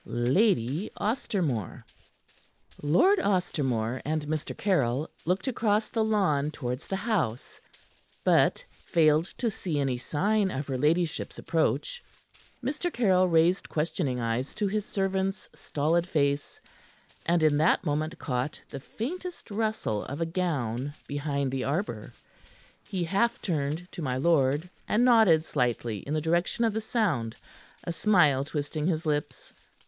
LADY OSTERMORE Lord Ostermore and Mr. Caryll looked across the lawn towards the house, but failed to see any sign of her ladyship's approach. Mr. Caryll raised questioning eyes to his servant's stolid face, and in that moment caught the faintest rustle of a gown behind the arbor. He half turned to my lord, and nodded slightly in the direction of the sound, a smile twisting his lips.